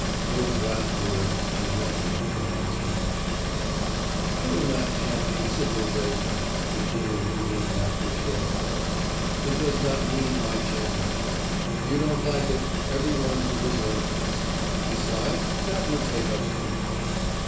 Those last words she mentally pronounced in Russian. 'I will not champion civilisation,' continued Rudin after a short pause, 'it does not need my championship. You don't like it, every one to his own taste. Besides, that would take us too far.